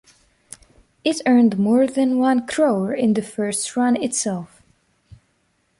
It earned more than one crore in the first run itself!